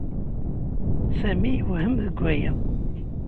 Sami yewhem deg waya.